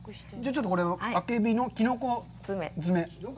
ちょっと、あけびのキノコ詰め。